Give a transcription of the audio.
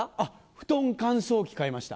布団乾燥機買いました。